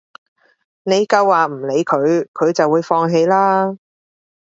你夠話唔理佢，佢就會放棄啦